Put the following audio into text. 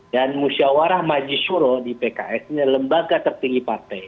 dan musyawarah majisuro di pks ini adalah lembaga tertinggi partai